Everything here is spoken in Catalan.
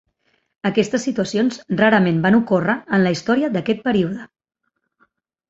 Aquestes situacions rarament van ocórrer en la història d'aquest període.